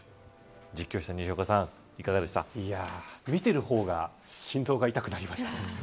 実況した西岡さん見ている方が心臓が痛くなりました。